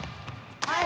はい！